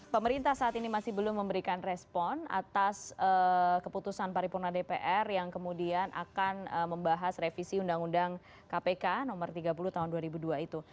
pemerintah saat ini masih belum memberikan respon atas keputusan paripurna dpr yang kemudian akan membahas revisi undang undang kpk nomor tiga puluh tahun dua ribu dua itu